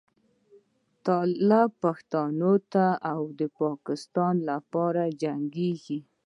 طالبان پښتانه دي او د پاکستان لپاره جنګېږي.